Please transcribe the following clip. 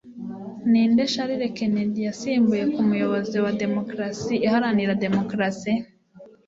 Ninde Charles Kennedy yasimbuye nk'umuyobozi wa demokarasi iharanira demokarasi?